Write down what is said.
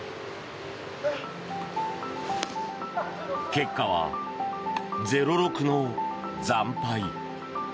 結果は０−６の惨敗。